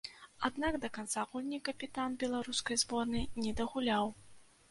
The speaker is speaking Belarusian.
Аднак да канца гульні капітан беларускай зборнай не дагуляў.